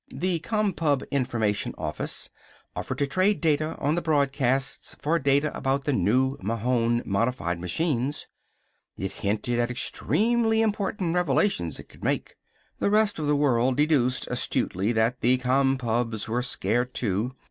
The Compub Information Office offered to trade data on the broadcasts for data about the new Mahon modified machines. It hinted at extremely important revelations it could make. The rest of the world deduced astutely that the Compubs were scared, too.